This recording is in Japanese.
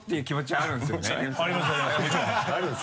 あります